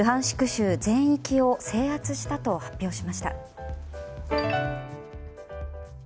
州全域を制圧したと発表しました。